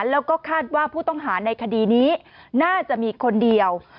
แล้วก็คาดว่าผู้ต้องหาในคดีนี้น่าจะมีคนเดียว